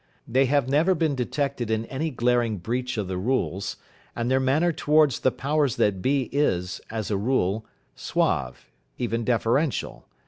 They have never been detected in any glaring breach of the rules, and their manner towards the powers that be is, as a rule, suave, even deferential.